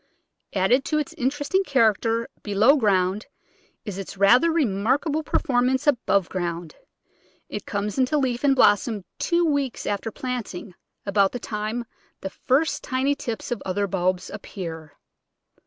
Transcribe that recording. Added to its interesting character below ground is its rather remarkable performance above ground. It comes into leaf and blossom two weeks after planting, about the time the first tiny tips of other bulbs ap pear.